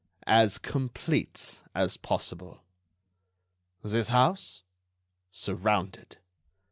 "As complete as possible." "This house?" "Surrounded."